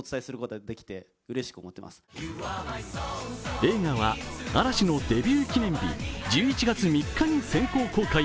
映画は嵐のデビュー記念日、１１月３日に先行公開